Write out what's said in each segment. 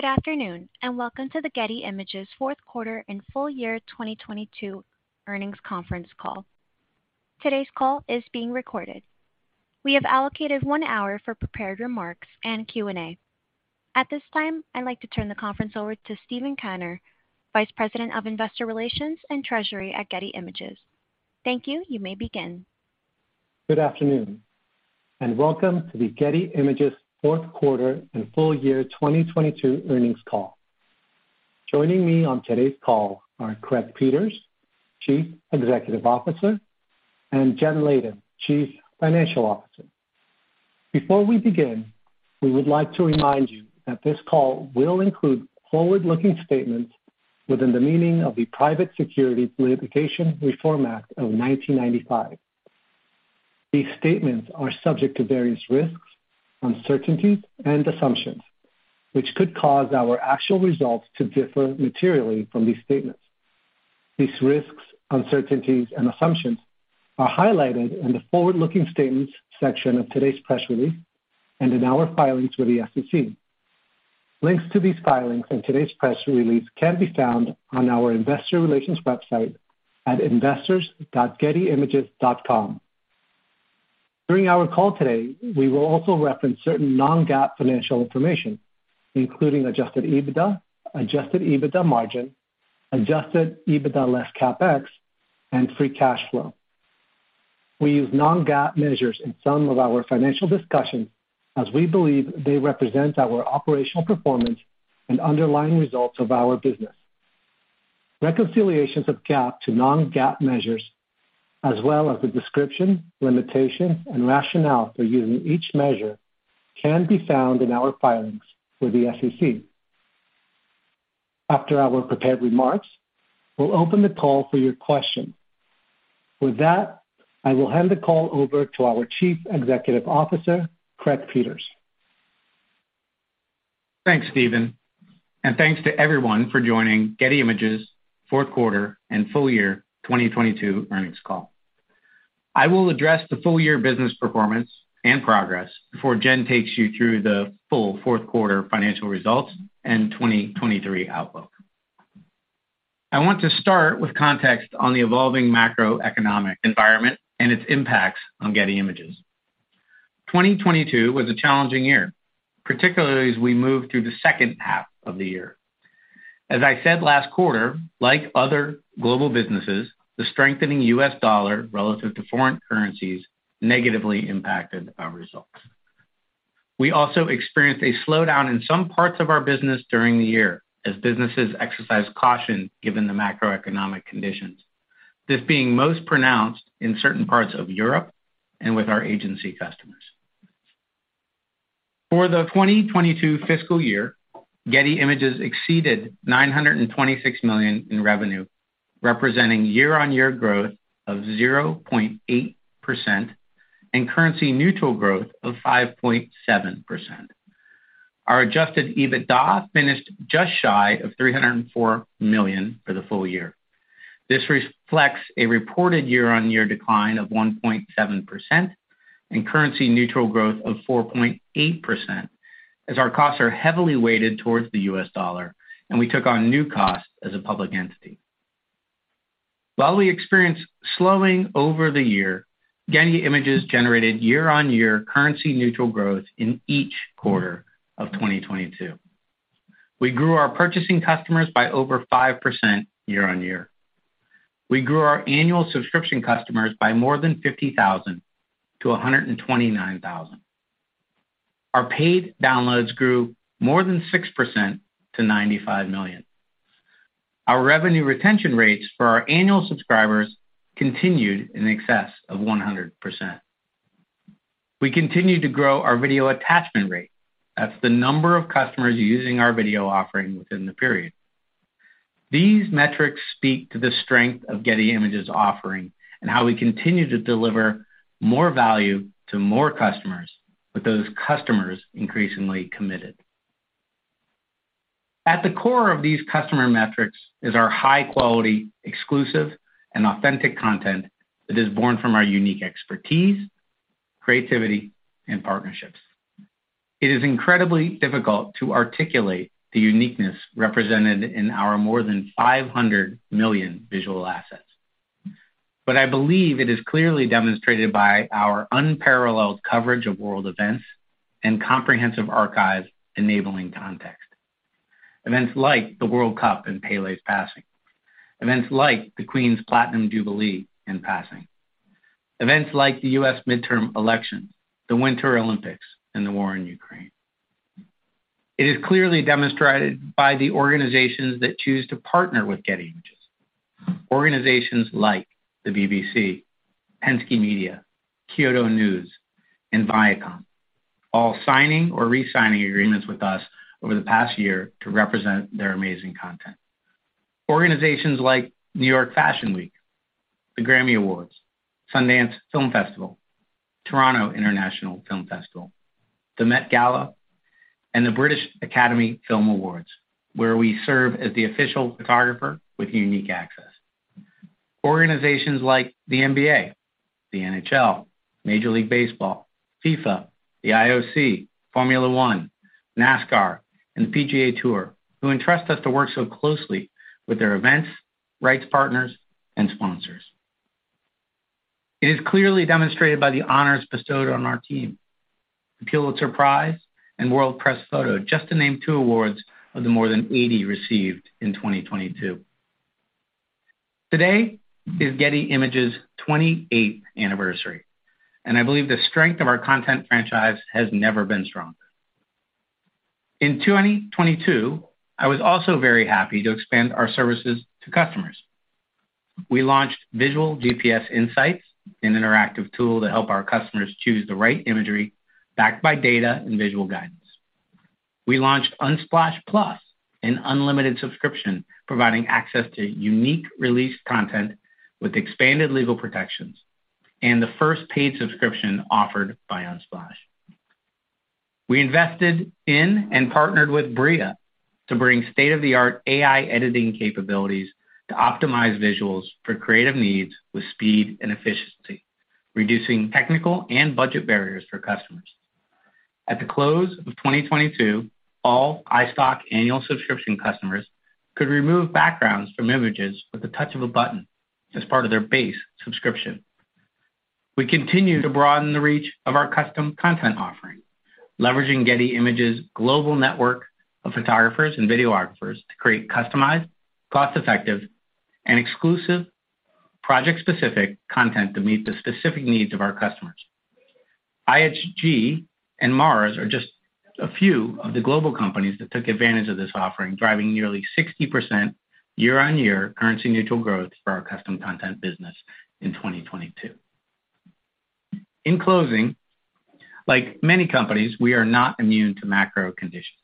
Good afternoon, welcome to the Getty Images fourth quarter and full-year 2022 earnings conference call. Today's call is being recorded. We have allocated one hour for prepared remarks and Q&A. At this time, I'd like to turn the conference over to Steven Kanner, Vice President of Investor Relations and Treasury at Getty Images. Thank you. You may begin. Good afternoon, and welcome to the Getty Images fourth quarter and full-year 2022 earnings call. Joining me on today's call are Craig Peters, Chief Executive Officer, and Jenn Leyden, Chief Financial Officer. Before we begin, we would like to remind you that this call will include forward-looking statements within the meaning of the Private Securities Litigation Reform Act of 1995. These statements are subject to various risks, uncertainties, and assumptions, which could cause our actual results to differ materially from these statements. These risks, uncertainties, and assumptions are highlighted in the forward-looking statements section of today's press release and in our filings with the SEC. Links to these filings and today's press release can be found on our investor relations website at investors.gettyimages.com. During our call today, we will also reference certain non-GAAP financial information, including Adjusted EBITDA, Adjusted EBITDA Margin, Adjusted EBITDA less CapEx, and Free Cash Flow. We use non-GAAP measures in some of our financial discussions as we believe they represent our operational performance and underlying results of our business. Reconciliations of GAAP to non-GAAP measures as well as the description, limitations, and rationale for using each measure can be found in our filings with the SEC. After our prepared remarks, we'll open the call for your questions. With that, I will hand the call over to our Chief Executive Officer, Craig Peters. Thanks, Steven, and thanks to everyone for joining Getty Images fourth quarter and full-year 2022 earnings call. I will address the full-year business performance and progress before Jen takes you through the full fourth quarter financial results and 2023 outlook. I want to start with context on the evolving macroeconomic environment and its impacts on Getty Images. 2022 was a challenging year, particularly as we moved through the second half of the year. As I said last quarter, like other global businesses, the strengthening US dollar relative to foreign currencies negatively impacted our results. We also experienced a slowdown in some parts of our business during the year as businesses exercised caution given the macroeconomic conditions. This being most pronounced in certain parts of Europe and with our agency customers. For the 2022 fiscal year, Getty Images exceeded $926 million in revenue, representing year-on-year growth of 0.8% and currency-neutral growth of 5.7%. Our Adjusted EBITDA finished just shy of $304 million for the full-year. This reflects a reported year-on-year decline of 1.7% and currency-neutral growth of 4.8%, as our costs are heavily weighted towards the US dollar, and we took on new costs as a public entity. While we experienced slowing over the year, Getty Images generated year-on-year currency neutral growth in each quarter of 2022. We grew our purchasing customers by over 5% year-on-year. We grew our annual subscription customers by more than 50,000 to 129,000. Our paid downloads grew more than 6% to $95 million. Our revenue retention rates for our annual subscribers continued in excess of 100%. We continued to grow our video attachment rate. That's the number of customers using our video offering within the period. These metrics speak to the strength of Getty Images offering and how we continue to deliver more value to more customers, with those customers increasingly committed. At the core of these customer metrics is our high-quality, exclusive, and authentic content that is born from our unique expertise, creativity, and partnerships. It is incredibly difficult to articulate the uniqueness represented in our more than 500 million visual assets. I believe it is clearly demonstrated by our unparalleled coverage of world events and comprehensive archives enabling context. Events like the World Cup and Pele's passing. Events like the Queen's Platinum Jubilee and passing. Events like the U.S. midterm elections, the Winter Olympics, and the war in Ukraine. It is clearly demonstrated by the organizations that choose to partner with Getty Images. Organizations like the BBC, Penske Media, Kyodo News, and Viacom, all signing or re-signing agreements with us over the past year to represent their amazing content. Organizations like New York Fashion Week, the Grammy Awards, Sundance Film Festival, Toronto International Film Festival, the Met Gala, and the British Academy Film Awards, where we serve as the official photographer with unique access. Organizations like the NBA, the NHL, Major League Baseball, FIFA, the IOC, Formula One, NASCAR, and the PGA TOUR, who entrust us to work so closely with their events, rights partners, and sponsors. It is clearly demonstrated by the honors bestowed on our team, the Pulitzer Prize and World Press Photo, just to name two awards of the more than 80 received in 2022. Today is Getty Images' 28th anniversary. I believe the strength of our content franchise has never been stronger. In 2022, I was also very happy to expand our services to customers. We launched Visual GPS Insights, an interactive tool to help our customers choose the right imagery backed by data and visual guidance. We launched Unsplash+, an unlimited subscription providing access to unique released content with expanded legal protections and the first paid subscription offered by Unsplash. We invested in and partnered with Bria to bring state-of-the-art AI editing capabilities to optimize visuals for creative needs with speed and efficiency, reducing technical and budget barriers for customers. At the close of 2022, all iStock annual subscription customers could remove backgrounds from images with the touch of a button as part of their base subscription. We continue to broaden the reach of our custom content offering, leveraging Getty Images' global network of photographers and videographers to create customized, cost-effective, and exclusive project-specific content to meet the specific needs of our customers. IHG and Mars are just a few of the global companies that took advantage of this offering, driving nearly 60% year-on-year currency-neutral growth for our custom content business in 2022. In closing, like many companies, we are not immune to macro conditions,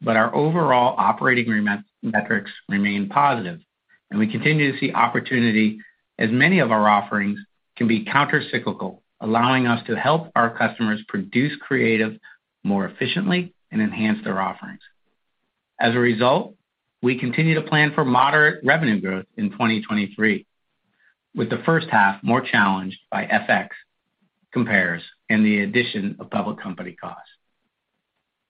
but our overall operating metrics remain positive and we continue to see opportunity as many of our offerings can be countercyclical, allowing us to help our customers produce creative more efficiently and enhance their offerings. As a result, we continue to plan for moderate revenue growth in 2023, with the first half more challenged by FX compares and the addition of public company costs.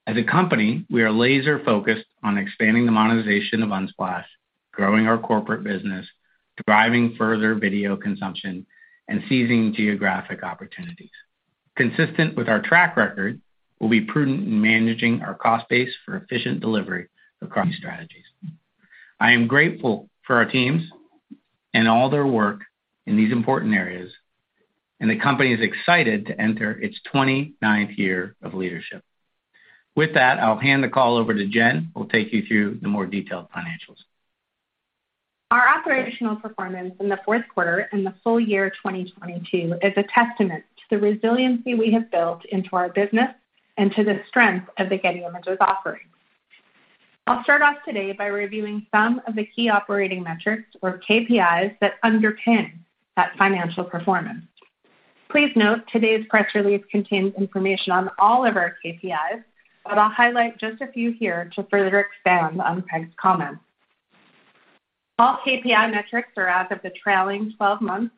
As a company, we are laser-focused on expanding the monetization of Unsplash, growing our corporate business, driving further video consumption, and seizing geographic opportunities. Consistent with our track record, we'll be prudent in managing our cost base for efficient delivery across these strategies. I am grateful for our teams and all their work in these important areas, and the company is excited to enter its 29th year of leadership. With that, I'll hand the call over to Jenn, who will take you through the more detailed financials. Our operational performance in the fourth quarter and the full-year 2022 is a testament to the resiliency we have built into our business and to the strength of the Getty Images offering. I'll start off today by reviewing some of the key operating metrics or KPIs that underpin that financial performance. Please note today's press release contains information on all of our KPIs, but I'll highlight just a few here to further expand on Craig's comments. All KPI metrics are as of the trailing 12 months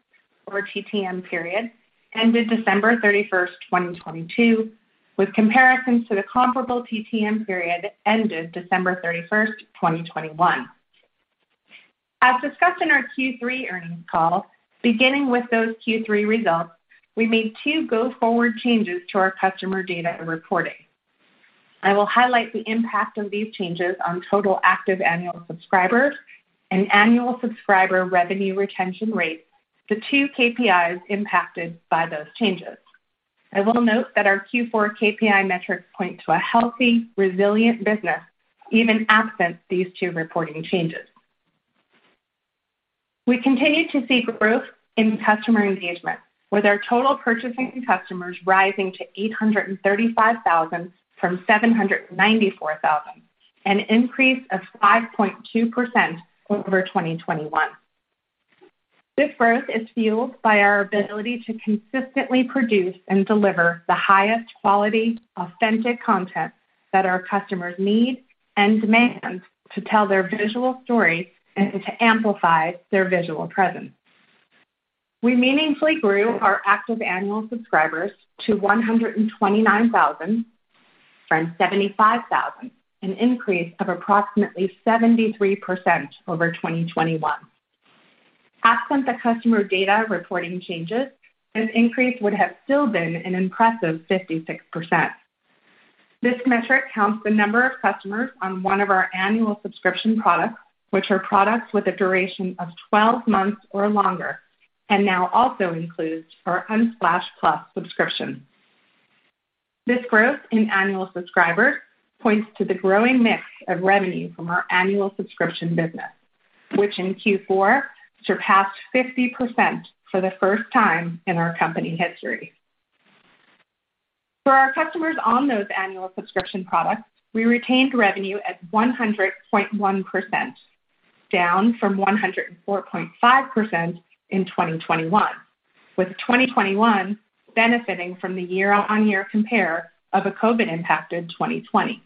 or TTM period, ended December 31st, 2022, with comparisons to the comparable TTM period ended December 31st, 2021. As discussed in our Q3 earnings call, beginning with those Q3 results, we made two go-forward changes to our customer data and reporting. I will highlight the impact of these changes on total active annual subscribers and annual subscriber revenue retention rates, the two KPIs impacted by those changes. I will note that our Q4 KPI metrics point to a healthy, resilient business even absent these two reporting changes. We continued to see growth in customer engagement, with our total purchasing customers rising to 835,000 from 794,000, an increase of 5.2% over 2021. This growth is fueled by our ability to consistently produce and deliver the highest quality, authentic content that our customers need and demand to tell their visual stories and to amplify their visual presence. We meaningfully grew our active annual subscribers to 129,000 from 75,000, an increase of approximately 73% over 2021. Absent the customer data reporting changes, this increase would have still been an impressive 56%. This metric counts the number of customers on one of our annual subscription products, which are products with a duration of 12 months or longer, and now also includes our Unsplash+ subscription. This growth in annual subscribers points to the growing mix of revenue from our annual subscription business, which in Q4 surpassed 50% for the first time in our company history. For our customers on those annual subscription products, we retained revenue at 100.1%, down from 104.5% in 2021, with 2021 benefiting from the year-on-year compare of a COVID impacted 2020.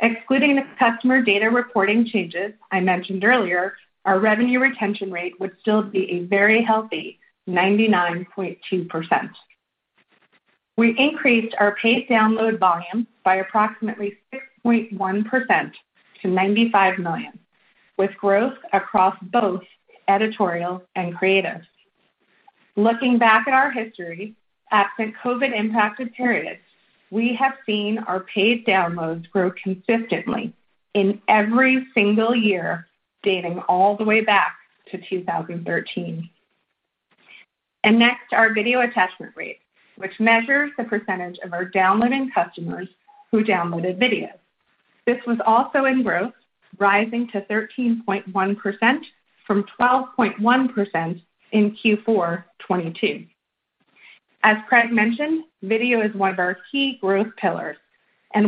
Excluding the customer data reporting changes I mentioned earlier, our revenue retention rate would still be a very healthy 99.2%. We increased our paid download volume by approximately 6.1% to 95 million, with growth across both editorial and creative. Looking back at our history, absent COVID-impacted periods, we have seen our paid downloads grow consistently in every single year dating all the way back to 2013. Next, our video attachment rate, which measures the percentage of our downloading customers who downloaded videos. This was also in growth, rising to 13.1% from 12.1% in Q4 2022. As Craig mentioned, video is one of our key growth pillars.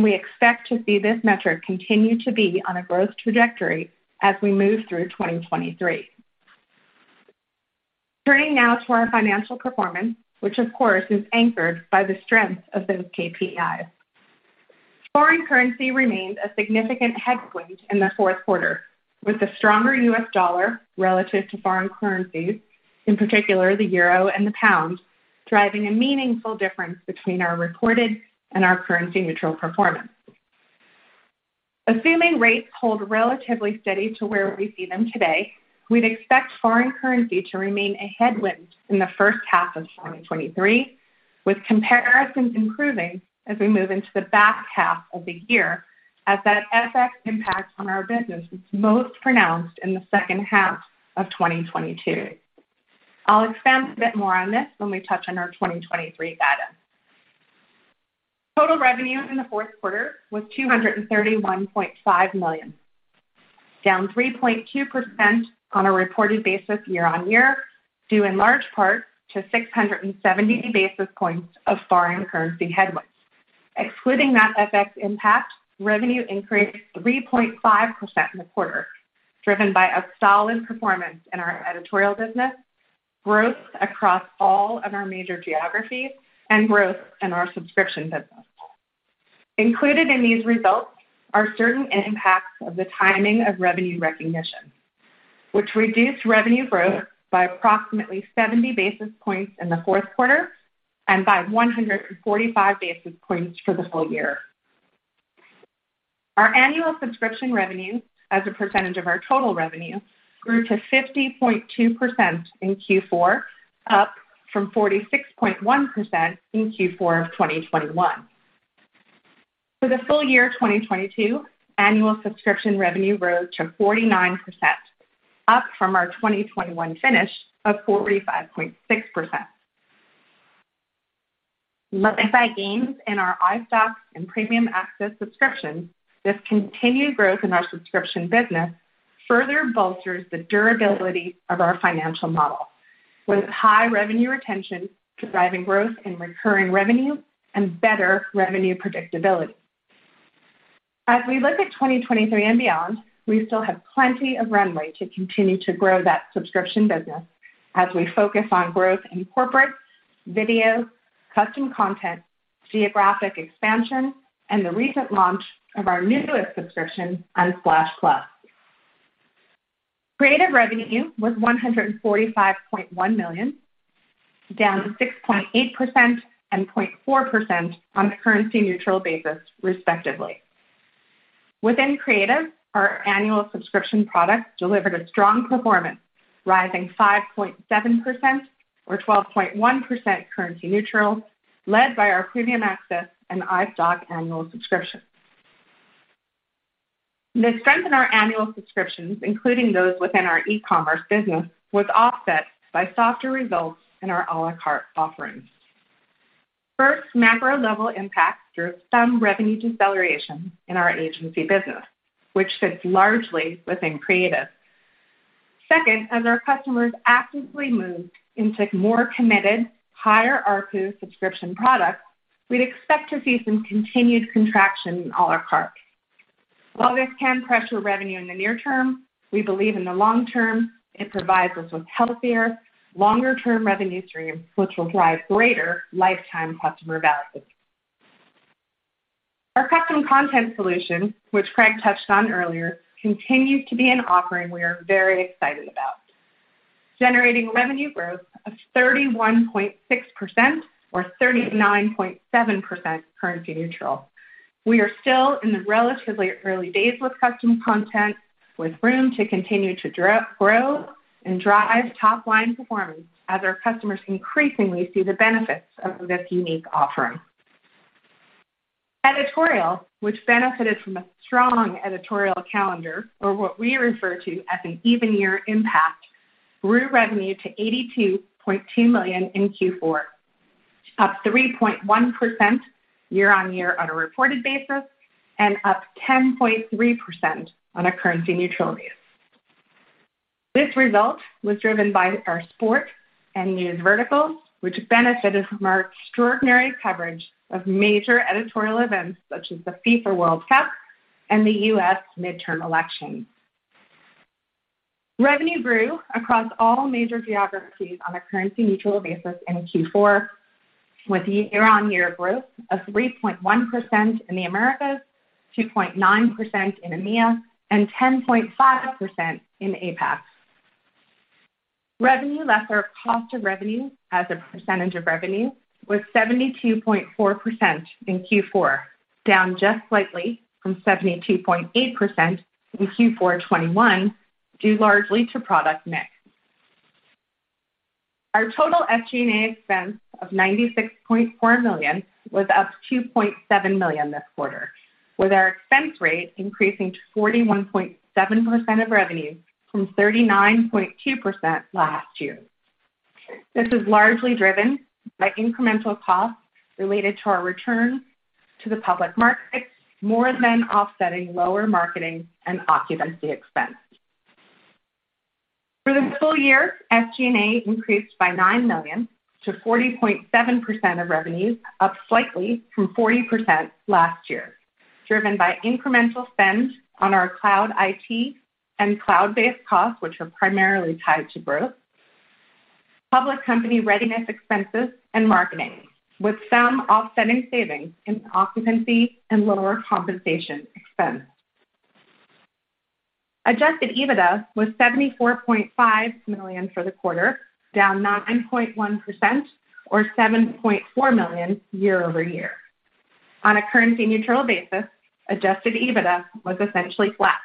We expect to see this metric continue to be on a growth trajectory as we move through 2023. Turning now to our financial performance, which of course, is anchored by the strength of those KPIs. Foreign currency remained a significant headwind in the fourth quarter, with the stronger US dollar relative to foreign currencies, in particular the euro and the pound, driving a meaningful difference between our reported and our currency-neutral performance. Assuming rates hold relatively steady to where we see them today, we'd expect foreign currency to remain a headwind in the first half of 2023, with comparisons improving as we move into the back half of the year as that FX impact on our business was most pronounced in the second half of 2022. I'll expand a bit more on this when we touch on our 2023 guidance. Total revenue in the fourth quarter was $231.5 million, down 3.2% on a reported basis year-over-year, due in large part to 670 basis points of foreign currency headwinds. Excluding that FX impact, revenue increased 3.5% in the quarter, driven by a solid performance in our editorial business, growth across all of our major geographies, and growth in our subscription business. Included in these results are certain impacts of the timing of revenue recognition, which reduced revenue growth by approximately 70 basis points in the fourth quarter and by 145 basis points for the full-year. Our annual subscription revenue as a percentage of our total revenue grew to 50.2% in Q4, up from 46.1% in Q4 of 2021. For the full-year 2022, annual subscription revenue rose to 49%, up from our 2021 finish of 45.6%. Led by gains in our iStock and Premium Access subscriptions, this continued growth in our subscription business further bolsters the durability of our financial model, with high revenue retention driving growth in recurring revenue and better revenue predictability. As we look at 2023 and beyond, we still have plenty of runway to continue to grow that subscription business as we focus on growth in corporate, video, custom content, geographic expansion, and the recent launch of our newest subscription Unsplash+. Creative revenue was $145.1 million, down 6.8% and 0.4% on a currency-neutral basis, respectively. Within Creative, our annual subscription product delivered a strong performance, rising 5.7% or 12.1% currency neutral, led by our Premium Access and iStock annual subscriptions. The strength in our annual subscriptions, including those within our e-commerce business, was offset by softer results in our à la carte offerings. Macro level impacts drove some revenue deceleration in our agency business, which sits largely within Creative. As our customers actively moved into more committed, higher ARPU subscription products, we'd expect to see some continued contraction in à la carte. While this can pressure revenue in the near term, we believe in the long term, it provides us with healthier, longer-term revenue streams which will drive greater lifetime customer value. Our custom content solution, which Craig touched on earlier, continues to be an offering we are very excited about, generating revenue growth of 31.6% or 39.7% currency neutral. We are still in the relatively early days with custom content, with room to continue to grow and drive top-line performance as our customers increasingly see the benefits of this unique offering. Editorial, which benefited from a strong editorial calendar or what we refer to as an even year impact, grew revenue to $82.2 million in Q4, up 3.1% year-on-year on a reported basis, and up 10.3% on a currency-neutral basis. This result was driven by our sport and news verticals, which benefited from our extraordinary coverage of major editorial events such as the FIFA World Cup and the U.S. midterm elections. Revenue grew across all major geographies on a currency-neutral basis in Q4, with year-on-year growth of 3.1% in the Americas, 2.9% in EMEA, and 10.5% in APAC. Revenue less our cost of revenue as a percentage of revenue was 72.4% in Q4, down just slightly from 72.8% in Q4 2021, due largely to product mix. Our total SG&A expense of $96.4 million was up $2.7 million this quarter, with our expense rate increasing to 41.7% of revenue from 39.2% last year. This was largely driven by incremental costs related to our return to the public market more than offsetting lower marketing and occupancy expense. For the full-year, SG&A increased by $9 million to 40.7% of revenue, up slightly from 40% last year, driven by incremental spend on our cloud IT and cloud-based costs, which are primarily tied to growth, public company readiness expenses and marketing, with some offsetting savings in occupancy and lower compensation expense. Adjusted EBITDA was $74.5 million for the quarter, down 9.1% or $7.4 million year-over-year. On a currency-neutral basis, Adjusted EBITDA was essentially flat.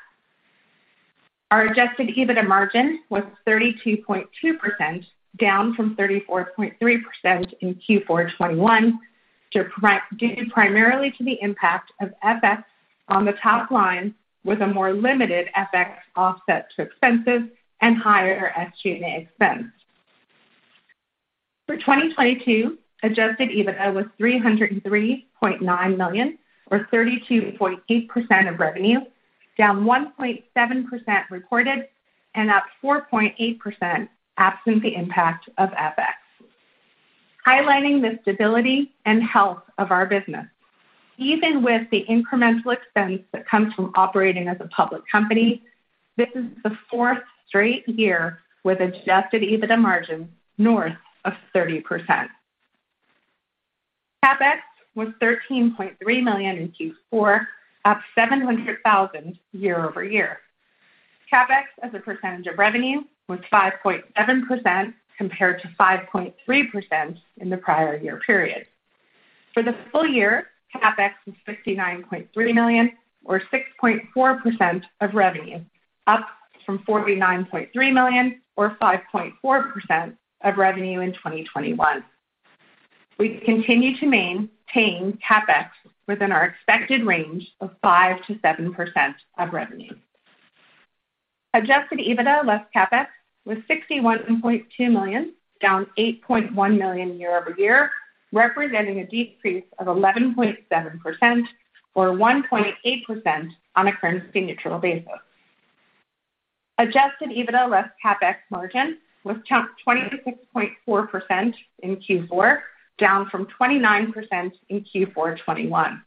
Our Adjusted EBITDA Margin was 32.2%, down from 34.3% in Q4 2021, due primarily to the impact of FX on the top line, with a more limited FX offset to expenses and higher SG&A expense. For 2022, Adjusted EBITDA was $303.9 million, or 32.8% of revenue, down 1.7% reported and up 4.8% absent the impact of FX. Highlighting the stability and health of our business, even with the incremental expense that comes from operating as a public company, this is the fourth straight year with Adjusted EBITDA Margin north of 30%. CapEx was $13.3 million in Q4, up $700,000 year-over-year. CapEx as a percentage of revenue was 5.7% compared to 5.3% in the prior year period. For the full-year, CapEx was $69.3 million or 6.4% of revenue, up from $49.3 million or 5.4% of revenue in 2021. We continue to maintain CapEx within our expected range of 5%-7% of revenue. Adjusted EBITDA less CapEx was $61.2 million, down $8.1 million year-over-year, representing a decrease of 11.7% or 1.8% on a currency-neutral basis. Adjusted EBITDA less CapEx margin was 26.4% in Q4, down from 29% in Q4 2021.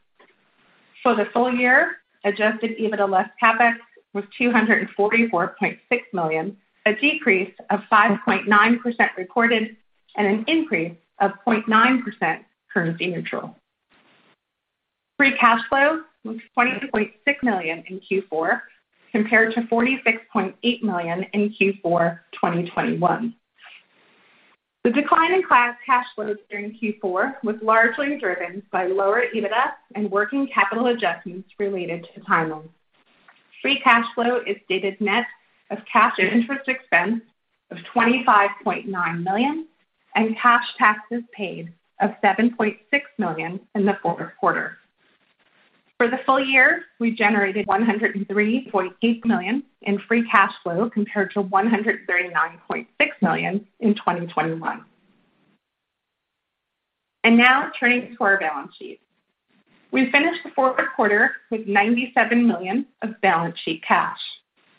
For the full-year, Adjusted EBITDA less CapEx was $244.6 million, a decrease of 5.9% recorded and an increase of 0.9% currency-neutral. Free Cash Flow was $20.6 million in Q4 compared to $46.8 million in Q4 2021. The decline in class cash flows during Q4 was largely driven by lower EBITDA and working capital adjustments related to timing. Free Cash Flow is stated net of cash and interest expense of $25.9 million and cash taxes paid of $7.6 million in the fourth quarter. For the full-year, we generated $103.8 million in Free Cash Flow compared to $139.6 million in 2021. Now turning to our balance sheet. We finished the fourth quarter with $97 million of balance sheet cash,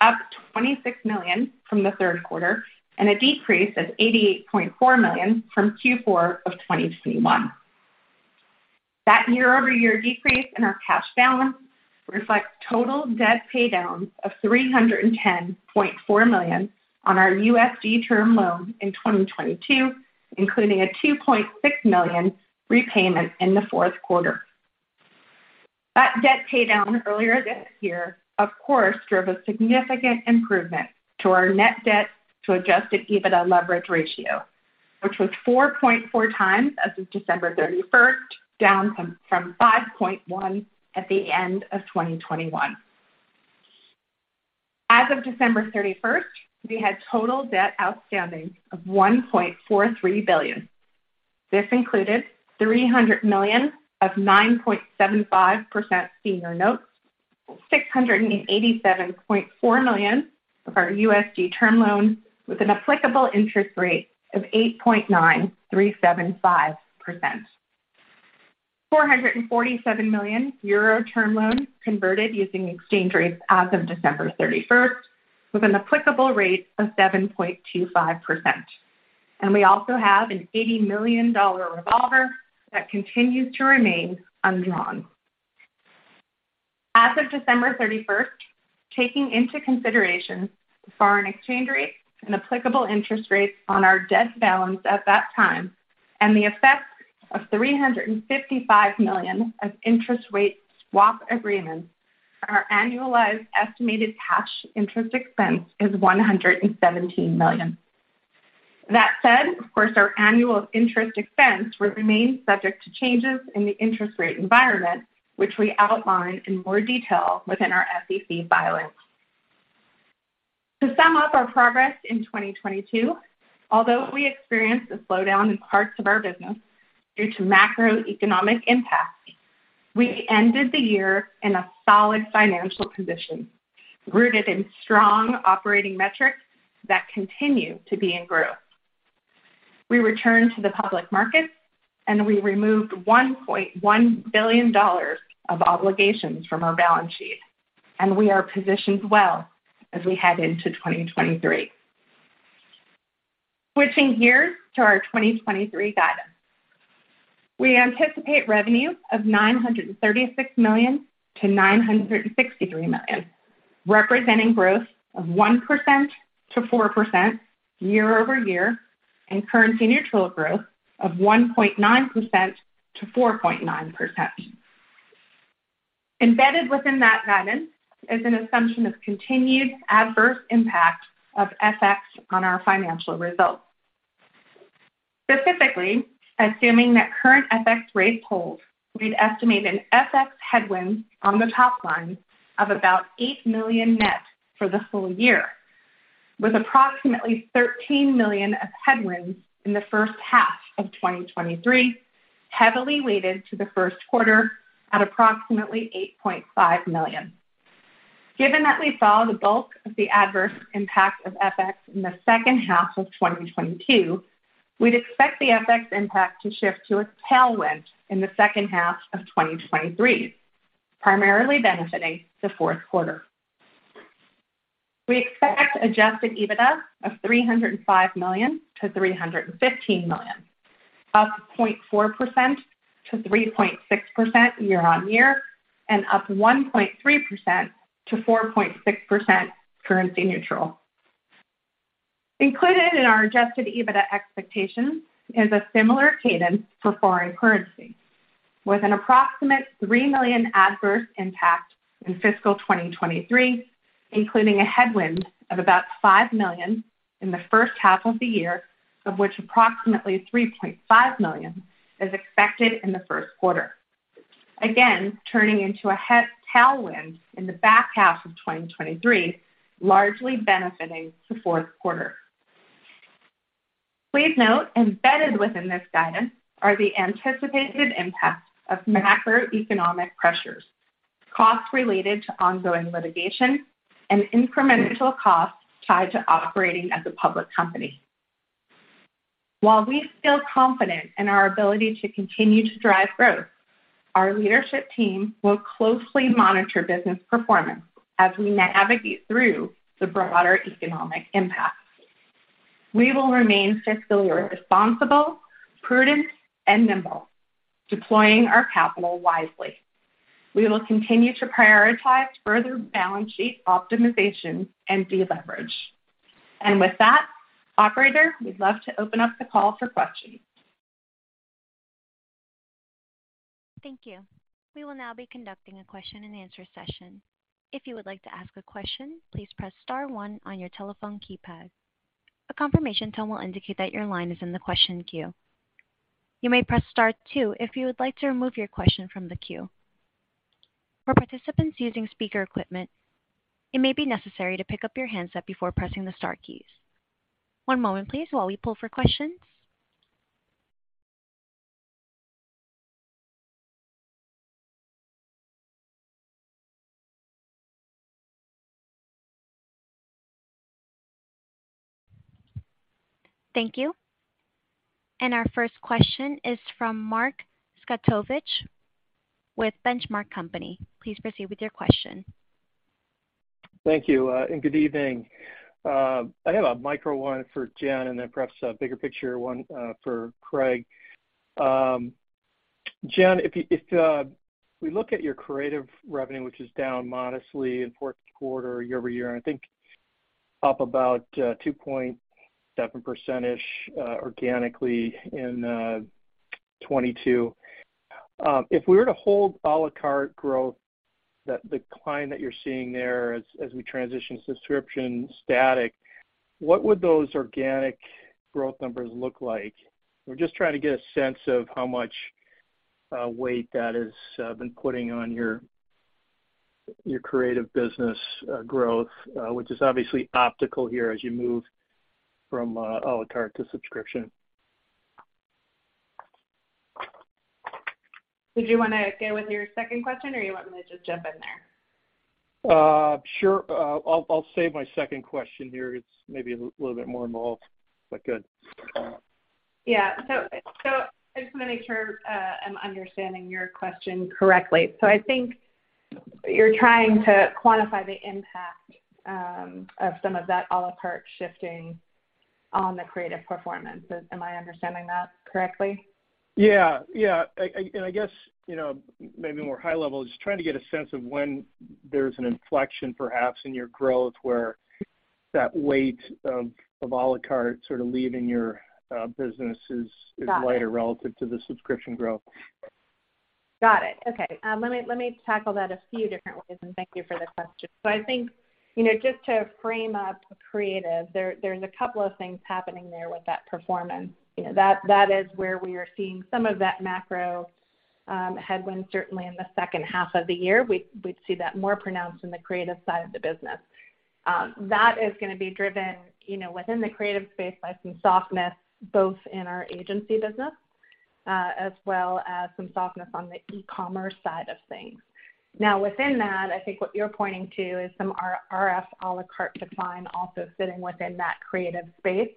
up $26 million from the third quarter, and a decrease of $88.4 million from Q4 of 2021. That year-over-year decrease in our cash balance reflects total debt pay downs of $310.4 million on our USD term loan in 2022, including a $2.6 million repayment in the fourth quarter. That debt pay down earlier this year, of course, drove a significant improvement to our net debt to Adjusted EBITDA leverage ratio, which was 4.4x as of December 31st, down from 5.1x at the end of 2021. As of December 31st, we had total debt outstanding of $1.43 billion. This included $300 million of 9.75% senior notes, $687.4 million of our USD term loans, with an applicable interest rate of 8.9375%. 447 million euro term loans converted using exchange rates as of December 31st, with an applicable rate of 7.25%. We also have an $80 million revolver that continues to remain undrawn. As of December 31st, taking into consideration foreign exchange rates and applicable interest rates on our debt balance at that time and the effect of $355 million of interest rate swap agreements, our annualized estimated cash interest expense is $117 million. That said, of course, our annual interest expense will remain subject to changes in the interest rate environment, which we outline in more detail within our SEC filings. To sum up our progress in 2022, although we experienced a slowdown in parts of our business due to macroeconomic impacts, we ended the year in a solid financial position, rooted in strong operating metrics that continue to be in growth. We returned to the public markets. We removed $1.1 billion of obligations from our balance sheet. We are positioned well as we head into 2023. Switching gears to our 2023 guidance. We anticipate revenue of $936 million-$963 million, representing growth of 1%-4% year-over-year. Currency-neutral growth of 1.9%-4.9%. Embedded within that guidance is an assumption of continued adverse impact of FX on our financial results. Assuming that current FX rates hold, we'd estimate an FX headwind on the top line of about $8 million net for the full-year, with approximately $13 million of headwinds in the first half of 2023, heavily weighted to the first quarter at approximately $8.5 million. Given that we saw the bulk of the adverse impact of FX in the second half of 2022, we'd expect the FX impact to shift to a tailwind in the second half of 2023, primarily benefiting the fourth quarter. We expect Adjusted EBITDA of $305 million-$315 million, up 0.4%-3.6% year-on-year and up 1.3%-4.6% currency-neutral. Included in our Adjusted EBITDA expectations is a similar cadence for foreign currency, with an approximate $3 million adverse impact in fiscal 2023, including a headwind of about $5 million in the first half of the year, of which approximately $3.5 million is expected in the first quarter. Turning into a tailwind in the back half of 2023, largely benefiting the fourth quarter. Please note, embedded within this guidance are the anticipated impacts of macroeconomic pressures, costs related to ongoing litigation, and incremental costs tied to operating as a public company. While we feel confident in our ability to continue to drive growth, our leadership team will closely monitor business performance as we navigate through the broader economic impact. We will remain fiscally responsible, prudent, and nimble, deploying our capital wisely. We will continue to prioritize further balance sheet optimization and deleverage. With that, operator, we'd love to open up the call for questions. Thank you. We will now be conducting a question-and-answer session. If you would like to ask a question, please press star one on your telephone keypad. A confirmation tone will indicate that your line is in the question queue. You may press star two if you would like to remove your question from the queue. For participants using speaker equipment, it may be necessary to pick up your handset before pressing the star keys. One moment please, while we pull for questions. Thank you. Our first question is from Mark Zgutowicz with Benchmark Company. Please proceed with your question. Thank you, good evening. I have a micro one for Jenn and then perhaps a bigger picture one for Craig. Jenn, if we look at your creative revenue, which is down modestly in fourth quarter year-over-year, and I think up about 2.7% organically in 2022. If we were to hold à la carte growth, the decline that you're seeing there as we transition subscription static, what would those organic growth numbers look like? We're just trying to get a sense of how much weight that has been putting on your creative business growth, which is obviously optical here as you move from à la carte to subscription. Did you wanna go with your second question or you want me to just jump in there? Sure. I'll save my second question here. It's maybe a little bit more involved, but go ahead. I just wanna make sure I'm understanding your question correctly. I think you're trying to quantify the impact of some of that a la carte shifting on the creative performance. Am I understanding that correctly? Yeah. Yeah. I guess, you know, maybe more high level, just trying to get a sense of when there's an inflection, perhaps, in your growth where that weight of à la carte sort of leaving your business is lighter. Got it. relative to the subscription growth. Got it. Okay. Let me tackle that a few different ways. Thank you for the question. I think, you know, just to frame up creative, there's a couple of things happening there with that performance. You know, that is where we are seeing some of that macro headwind certainly in the second half of the year. We'd see that more pronounced in the creative side of the business. That is gonna be driven, you know, within the creative space by some softness both in our agency business, as well as some softness on the e-commerce side of things. Now, within that, I think what you're pointing to is some RF à la carte decline also sitting within that creative space.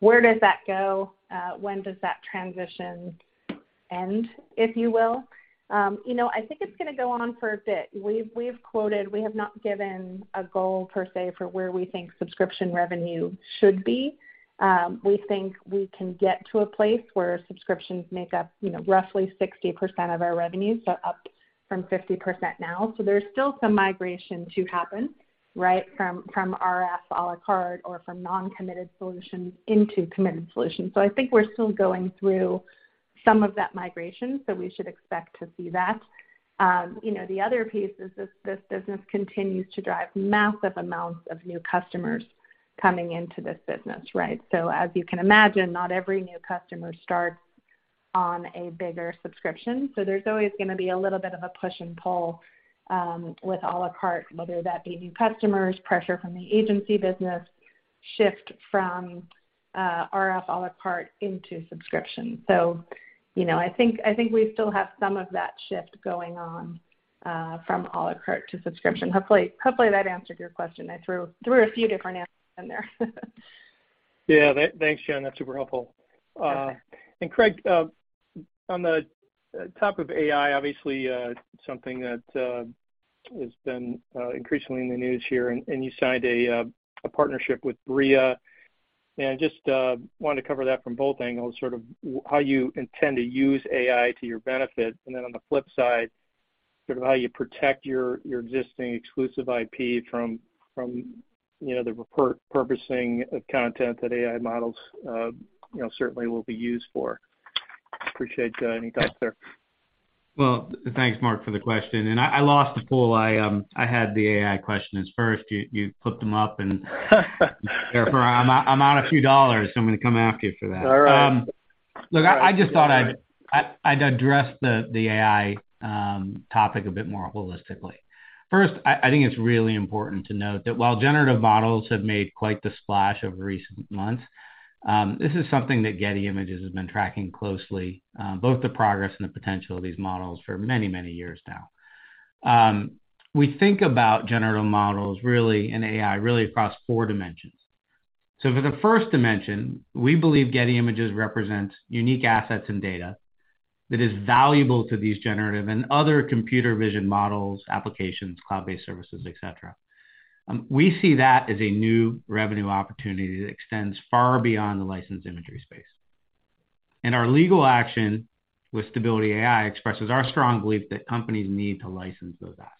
Where does that go? When does that transition end, if you will? You know, I think it's gonna go on for a bit. We've quoted. We have not given a goal per se for where we think subscription revenue should be. We think we can get to a place where subscriptions make up, you know, roughly 60% of our revenue, so up from 50% now. There's still some migration to happen, right, from RF à la carte or from non-committed solutions into committed solutions. I think we're still going through some of that migration, so we should expect to see that. You know, the other piece is this business continues to drive massive amounts of new customers coming into this business, right? As you can imagine, not every new customer starts on a bigger subscription, so there's always gonna be a little bit of a push and pull, with à la carte, whether that be new customers, pressure from the agency business, shift from RF à la carte into subscription. You know, I think we still have some of that shift going on, from à la carte to subscription. Hopefully, that answered your question. I threw a few different answers in there. Yeah. Thanks, Jenn, that's super helpful. Okay. Craig, on the top of AI, obviously, something that has been increasingly in the news here, you signed a partnership with Bria. Just wanted to cover that from both angles, sort of how you intend to use AI to your benefit, and then on the flip side, sort of how you protect your existing exclusive IP from, you know, the repurposing of content that AI models, you know, certainly will be used for. Appreciate any thoughts there. Well, thanks, Mark, for the question. I lost the pool. I had the AI questions first. You flipped them up. Therefore, I'm out a few dollars, so I'm gonna come after you for that. All right. Look, I just thought I'd address the AI topic a bit more holistically. First, I think it's really important to note that while generative models have made quite the splash over recent months, this is something that Getty Images has been tracking closely, both the progress and the potential of these models for many, many years now. We think about generative models really, and AI, really across four dimensions. For the first dimension, we believe Getty Images represents unique assets and data that is valuable to these generative and other computer vision models, applications, cloud-based services, etc. We see that as a new revenue opportunity that extends far beyond the licensed imagery space. Our legal action with Stability AI expresses our strong belief that companies need to license those assets.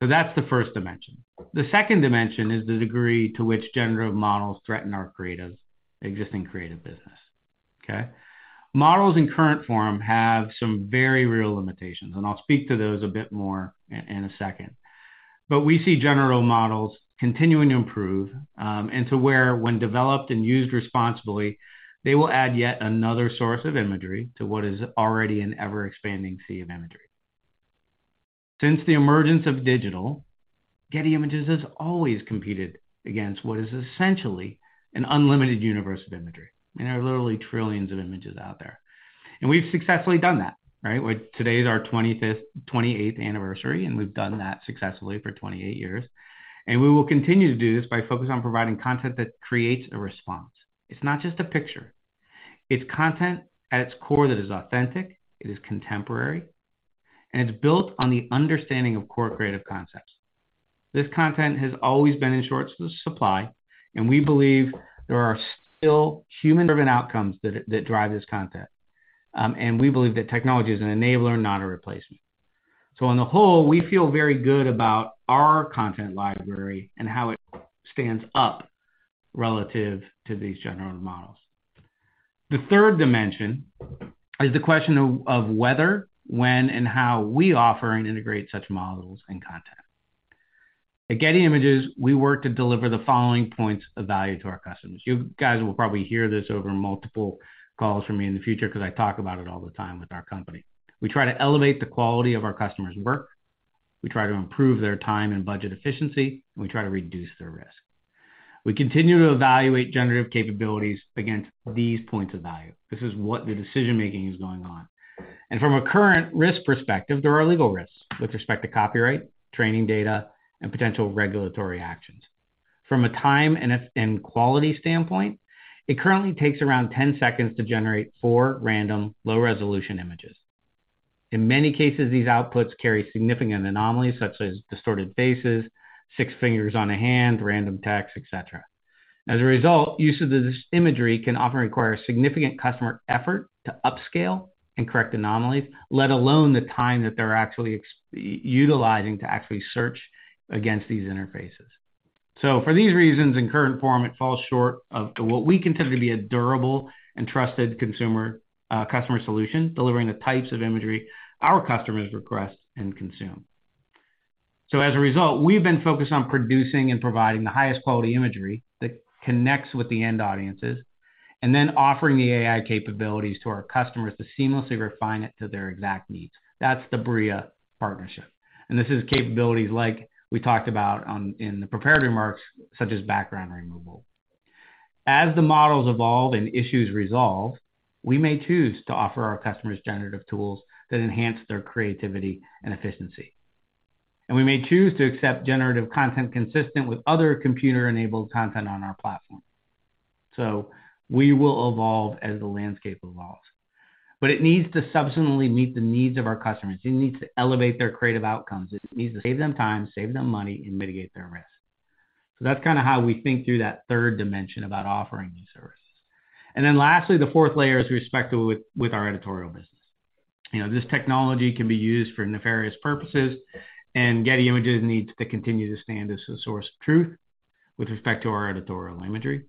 That's the first dimension. The second dimension is the degree to which generative models threaten our existing creative business. Okay? Models in current form have some very real limitations. I'll speak to those a bit more in a second. We see generative models continuing to improve, and to where, when developed and used responsibly, they will add yet another source of imagery to what is already an ever-expanding sea of imagery. Since the emergence of digital, Getty Images has always competed against what is essentially an unlimited universe of imagery. I mean, there are literally trillions of images out there. We've successfully done that, right? Today is our 28th anniversary. We've done that successfully for 28 years. We will continue to do this by focus on providing content that creates a response. It's not just a picture. It's content at its core that is authentic, it is contemporary, and it's built on the understanding of core creative concepts. This content has always been in short supply, and we believe there are still human-driven outcomes that drive this content. We believe that technology is an enabler, not a replacement. On the whole, we feel very good about our content library and how it stands up relative to these generative models. The third dimension is the question of whether, when, and how we offer and integrate such models and content. At Getty Images, we work to deliver the following points of value to our customers. You guys will probably hear this over multiple calls from me in the future because I talk about it all the time with our company. We try to elevate the quality of our customers' work, we try to improve their time and budget efficiency, and we try to reduce their risk. We continue to evaluate generative capabilities against these points of value. This is what the decision-making is going on. From a current risk perspective, there are legal risks with respect to copyright, training data, and potential regulatory actions. From a time and quality standpoint, it currently takes around 10 seconds to generate four random low-resolution images. In many cases, these outputs carry significant anomalies such as distorted faces, six fingers on a hand, random text, etc. As a result, use of this imagery can often require significant customer effort to upscale and correct anomalies, let alone the time that they're actually utilizing to actually search against these interfaces. For these reasons, in current form, it falls short of what we consider to be a durable and trusted consumer, customer solution, delivering the types of imagery our customers request and consume. As a result, we've been focused on producing and providing the highest quality imagery that connects with the end audiences, and then offering the AI capabilities to our customers to seamlessly refine it to their exact needs. That's the Bria partnership. This is capabilities like we talked about in the prepared remarks, such as background removal. As the models evolve and issues resolve, we may choose to offer our customers generative tools that enhance their creativity and efficiency. We may choose to accept generative content consistent with other computer-enabled content on our platform. We will evolve as the landscape evolves. It needs to substantially meet the needs of our customers. It needs to elevate their creative outcomes. It needs to save them time, save them money, and mitigate their risk. That's kind of how we think through that third dimension about offering these services. Lastly, the fourth layer is respective with our editorial business. You know, this technology can be used for nefarious purposes. Getty Images needs to continue to stand as a source of truth with respect to our editorial imagery.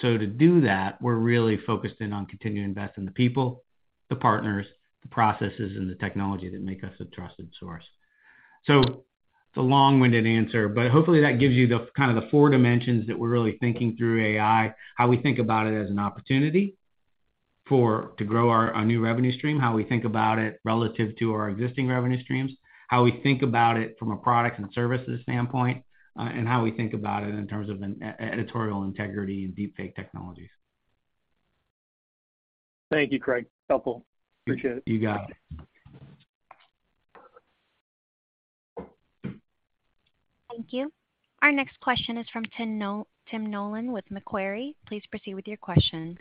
To do that, we're really focused in on continuing to invest in the people, the partners, the processes, and the technology that make us a trusted source. It's a long-winded answer, but hopefully that gives you the kind of the four dimensions that we're really thinking through AI, how we think about it as an opportunity to grow our new revenue stream, how we think about it relative to our existing revenue streams, how we think about it from a product and services standpoint, and how we think about it in terms of editorial integrity and deep fake technologies. Thank you, Craig. Helpful. Appreciate it. You got it. Thank you. Our next question is from Tim Nollen with Macquarie. Please proceed with your questions.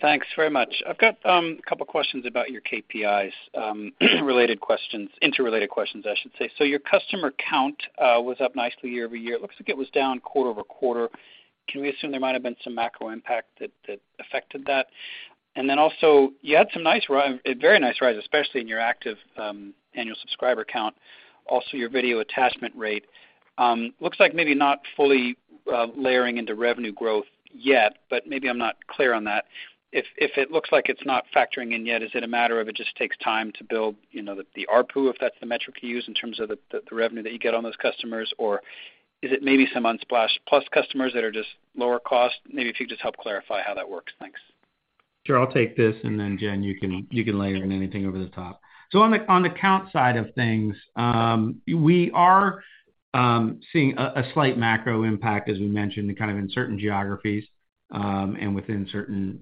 Thanks very much. I've got a couple questions about your KPIs, interrelated questions, I should say. Your customer count was up nicely year-over-year. It looks like it was down quarter-over-quarter. Can we assume there might have been some macro impact that affected that? Also, you had some very nice rise, especially in your active annual subscriber count. Also, your video attachment rate looks like maybe not fully layering into revenue growth yet, but maybe I'm not clear on that. If it looks like it's not factoring in yet, is it a matter of it just takes time to build, you know, the ARPU, if that's the metric you use in terms of the revenue that you get on those customers? Is it maybe some Unsplash+ customers that are just lower cost? Maybe if you could just help clarify how that works. Thanks. Sure. I'll take this, and then Jenn, you can layer in anything over the top. On the count side of things, we are seeing a slight macro impact, as we mentioned, kind of in certain geographies, and within certain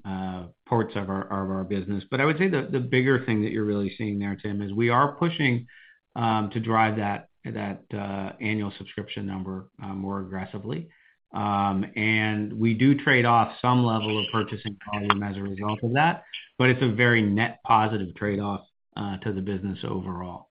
parts of our business. I would say the bigger thing that you're really seeing there, Tim, is we are pushing to drive that annual subscription number more aggressively. We do trade off some level of purchasing volume as a result of that, but it's a very net positive trade-off to the business overall.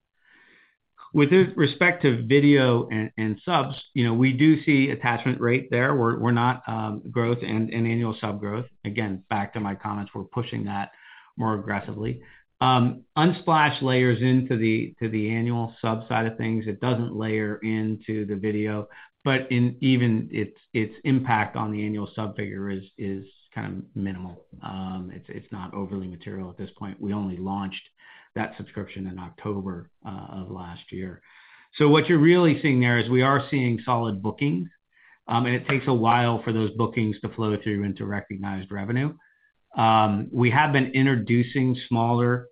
With respect to video and subs, you know, we do see attachment rate there. We're not growth and annual sub growth. Again, back to my comments, we're pushing that more aggressively. Unsplash layers into the annual sub side of things. It doesn't layer into the video, but even its impact on the annual sub figure is kind of minimal. It's not overly material at this point. We only launched that subscription in October of last year. What you're really seeing there is we are seeing solid bookings, and it takes a while for those bookings to flow through into recognized revenue. We have been introducing smaller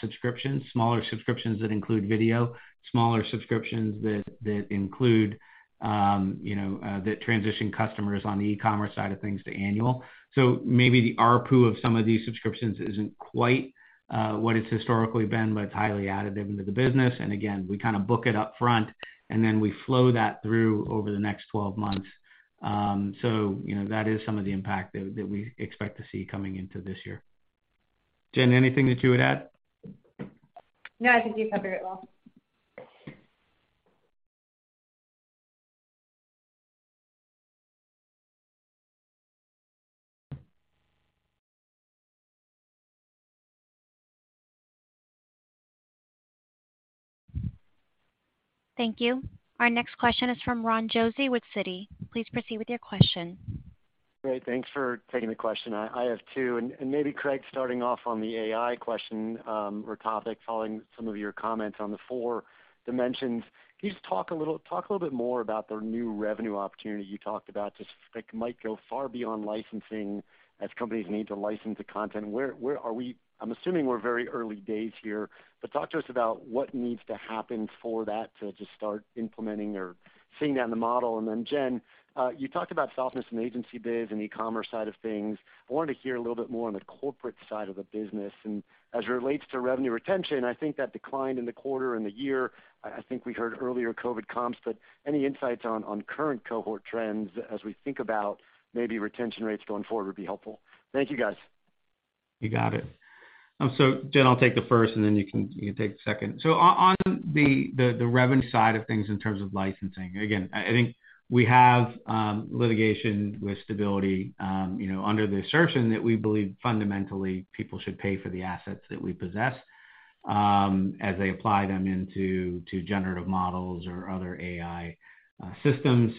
subscriptions that include video, smaller subscriptions that include, you know, that transition customers on the e-commerce side of things to annual. Maybe the ARPU of some of these subscriptions isn't quite what it's historically been, but it's highly additive into the business. Again, we kinda book it up front, and then we flow that through over the next 12 months. You know, that is some of the impact that we expect to see coming into this year. Jenn, anything that you would add? No, I think you covered it well. Thank you. Our next question is from Ron Josey with Citi. Please proceed with your question. Great. Thanks for taking the question. I have two. Maybe Craig, starting off on the AI question or topic, following some of your comments on the four dimensions. Can you just talk a little bit more about the new revenue opportunity you talked about that might go far beyond licensing as companies need to license the content? Where are we? I'm assuming we're very early days here, but talk to us about what needs to happen for that to just start implementing or seeing that in the model. Jenn, you talked about softness in agency biz and e-commerce side of things. I wanted to hear a little bit more on the corporate side of the business. As it relates to revenue retention, I think that declined in the quarter and the year. I think we heard earlier COVID comps, any insights on current cohort trends as we think about maybe retention rates going forward would be helpful. Thank you, guys. You got it. Jenn, I'll take the first, and then you can take the second. On the revenue side of things in terms of licensing, again, I think we have litigation with Stability AI, you know, under the assertion that we believe fundamentally people should pay for the assets that we possess, as they apply them into generative models or other AI systems.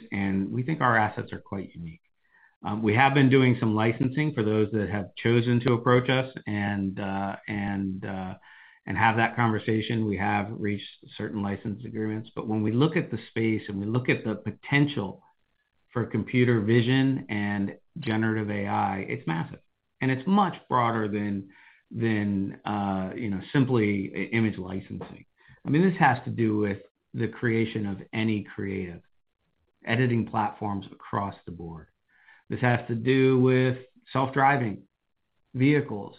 We think our assets are quite unique. We have been doing some licensing for those that have chosen to approach us and have that conversation. We have reached certain license agreements. When we look at the space, and we look at the potential for computer vision and generative AI, it's massive, and it's much broader than, you know, simply image licensing. I mean, this has to do with the creation of any creative editing platforms across the board. This has to do with self-driving vehicles.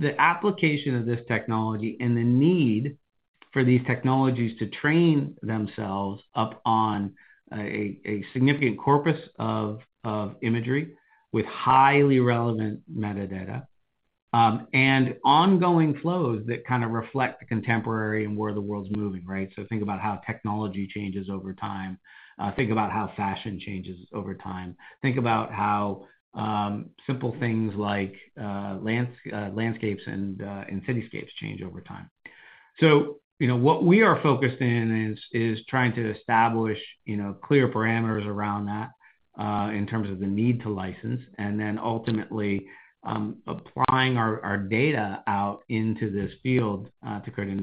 The application of this technology and the need for these technologies to train themselves up on a significant corpus of imagery with highly relevant metadata and ongoing flows that kind of reflect contemporary and where the world's moving, right? Think about how technology changes over time. Think about how fashion changes over time. Think about how simple things like landscapes and cityscapes change over time. You know, what we are focused in is trying to establish, you know, clear parameters around that in terms of the need to license, ultimately applying our data out into this field to create a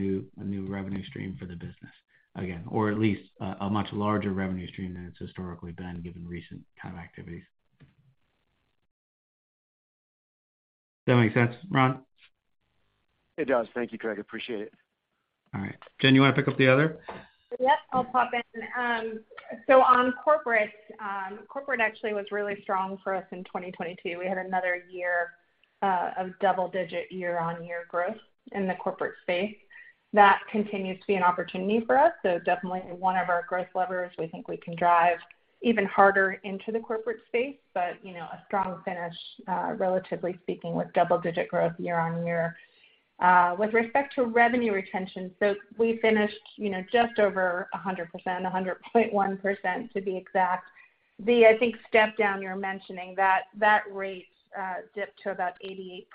new revenue stream for the business again, or at least a much larger revenue stream than it's historically been given recent kind of activities. Does that make sense, Ron? It does. Thank you, Craig. Appreciate it. All right. Jenn, you wanna pick up the other? Yes, I'll pop in. On corporate actually was really strong for us in 2022. We had another year of double-digit year-over-year growth in the corporate space. That continues to be an opportunity for us, definitely one of our growth levers we think we can drive even harder into the corporate space. You know, a strong finish, relatively speaking, with double-digit growth year-over-year. With respect to revenue retention, we finished, you know, just over 100%, 100.1% to be exact. The, I think, step down you're mentioning, that rate dipped to about 88%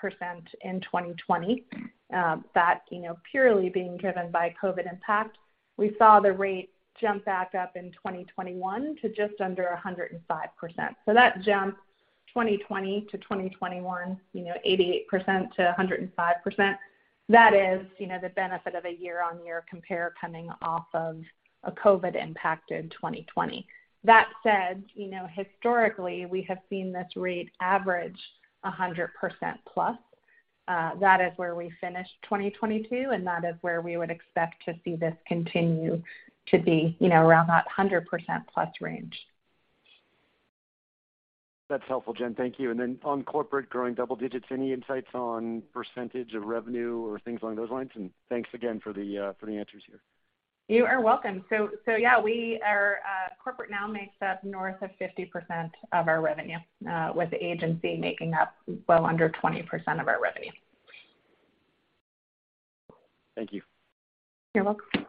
in 2020. That, you know, purely being driven by COVID impact. We saw the rate jump back up in 2021 to just under 105%. That jump, 2020 to 2021, you know, 88% to 105%, that is, you know, the benefit of a year-on-year compare coming off of a COVID impact in 2020. That said, you know, historically, we have seen this rate average 100% plus. That is where we finished 2022, and that is where we would expect to see this continue to be, you know, around that 100% plus range. That's helpful, Jen. Thank you. On corporate growing double digits, any insights on % of revenue or things along those lines? Thanks again for the answers here. You are welcome. Yeah, we are corporate now makes up north of 50% of our revenue, with agency making up well under 20% of our revenue. Thank you. You're welcome.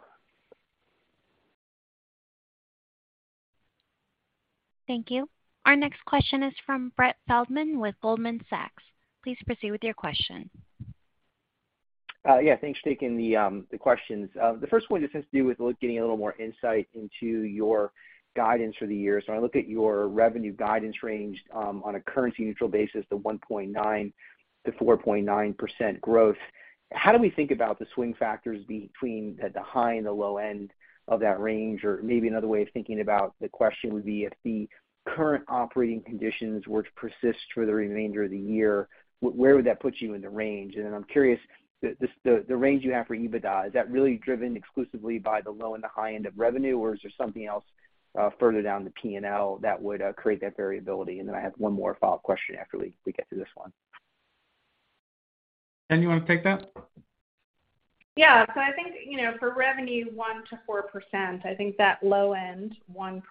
Thank you. Our next question is from Brett Feldman with Goldman Sachs. Please proceed with your question. Yeah, thanks for taking the questions. The first one just has to do with getting a little more insight into your guidance for the year. I look at your revenue guidance range, on a currency-neutral basis, the 1.9%-4.9% growth. How do we think about the swing factors between the high and the low end of that range? Or maybe another way of thinking about the question would be if the current operating conditions were to persist for the remainder of the year, where would that put you in the range? I'm curious, the range you have for EBITDA, is that really driven exclusively by the low and the high end of revenue, or is there something else further down the P&L that would create that variability? Then I have one more follow-up question after we get through this one. Jenn, you wanna take that? Yeah. I think, you know, for revenue 1%-4%, I think that low end 1%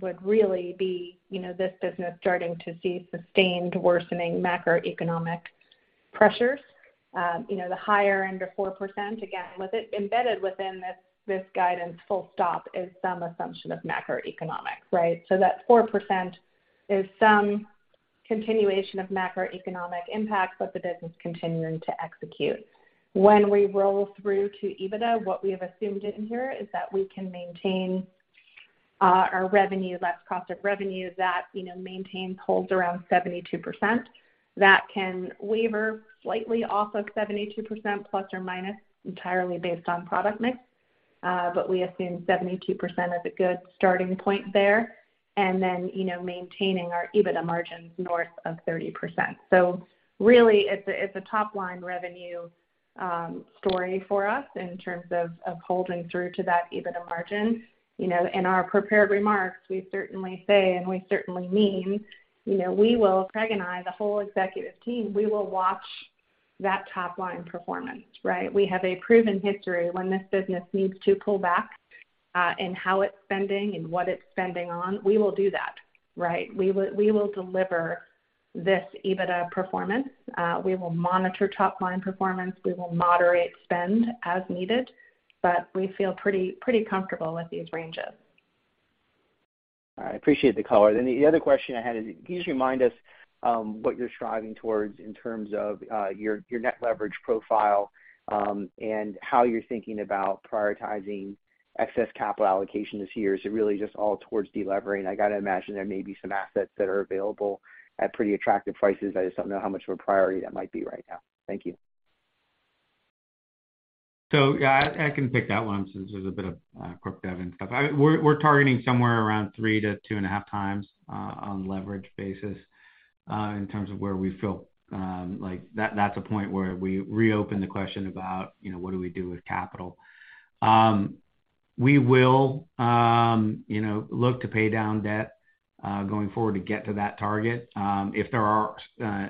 would really be, you know, this business starting to see sustained worsening macroeconomic pressures. You know, the higher end of 4%, again, embedded within this guidance full stop is some assumption of macroeconomics, right? That 4% is some continuation of macroeconomic impacts, but the business continuing to execute. When we roll through to EBITDA, what we have assumed in here is that we can maintain, our revenue, less cost of revenue that, you know, maintain pulls around 72%. That can waver slightly off of 72% ± entirely based on product mix. But we assume 72% is a good starting point there. You know, maintaining our EBITDA margins north of 30%. Really, it's a top line revenue story for us in terms of holding through to that EBITDA margin. You know, in our prepared remarks, we certainly say and we certainly mean, you know, we will, Craig and I, the whole executive team, we will watch that top line performance, right? We have a proven history when this business needs to pull back in how it's spending and what it's spending on, we will do that, right? We will deliver this EBITDA performance. We will monitor top line performance. We will moderate spend as needed, but we feel pretty comfortable with these ranges. I appreciate the color. The other question I had is, can you just remind us what you're striving towards in terms of your net leverage profile, and how you're thinking about prioritizing excess capital allocation this year. Is it really just all towards delevering? I gotta imagine there may be some assets that are available at pretty attractive prices. I just don't know how much of a priority that might be right now. Thank you. Yeah, I can pick that one since there's a bit of corp dev and stuff. We're targeting somewhere around 3x to 2.5x on leverage basis in terms of where we feel. Like, that's a point where we reopen the question about, you know, what do we do with capital. We will, you know, look to pay down debt going forward to get to that target. If there are,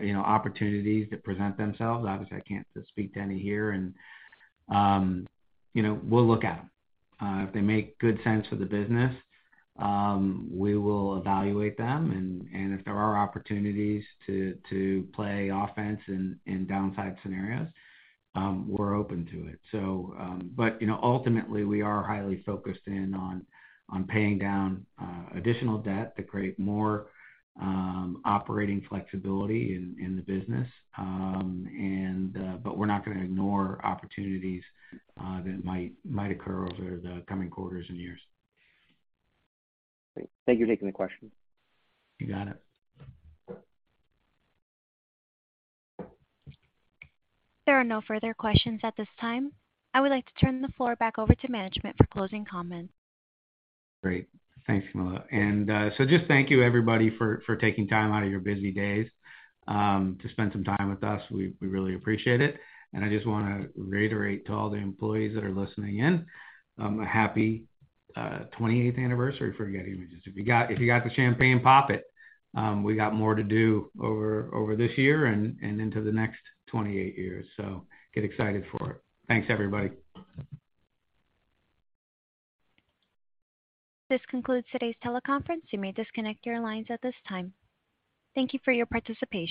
you know, opportunities that present themselves, obviously I can't speak to any here and, you know, we'll look at 'em. If they make good sense for the business, we will evaluate them. If there are opportunities to play offense in downside scenarios, we're open to it. You know, ultimately, we are highly focused in on paying down additional debt to create more operating flexibility in the business. We're not gonna ignore opportunities that might occur over the coming quarters and years. Great. Thank you for taking the question. You got it. There are no further questions at this time. I would like to turn the floor back over to management for closing comments. Great. Thanks, Camilla. Just thank you everybody for taking time out of your busy days to spend some time with us. We really appreciate it, and I just wanna reiterate to all the employees that are listening in, a happy 28th anniversary for Getty Images. If you got the champagne, pop it. We got more to do over this year and into the next 28 years, so get excited for it. Thanks, everybody. This concludes today's teleconference. You may disconnect your lines at this time. Thank you for your participation.